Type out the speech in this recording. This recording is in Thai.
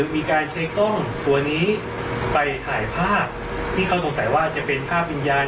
มีการใช้กล้องตัวนี้ไปถ่ายภาพที่เขาสงสัยว่าจะเป็นภาพวิญญาณ